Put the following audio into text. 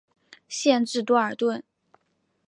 县治多尔顿。